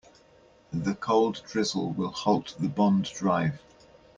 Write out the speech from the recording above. The cold drizzle will halt the bond drive.